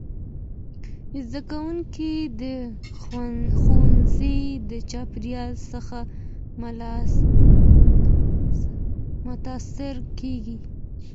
زدهکوونکي د ښوونځي د چاپېریال څخه متاثره کيږي.